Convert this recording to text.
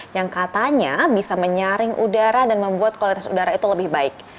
yang katanya bisa menyaring udara dan membuat kualitas udara itu lebih baik